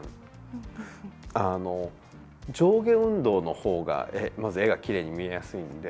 上下運動の方がまず絵がきれいに見えやすいので。